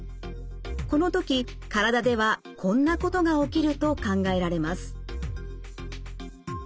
この時体ではこんなことが起きると考えられます。